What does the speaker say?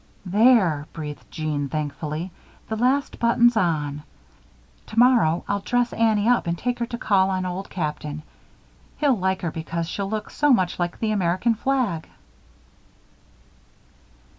"There!" breathed Jeanne, thankfully. "The last button's on. Tomorrow I'll dress Annie up and take her to call on Old Captain. He'll like her because she'll look so much like the American flag."